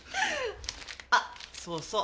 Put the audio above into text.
あっそうそう。